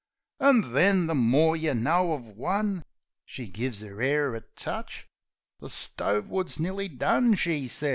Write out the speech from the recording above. An' then, the more yeh know uv one ... (She gives 'er 'air a touch: "The stove wood'^s nearly done," she sez.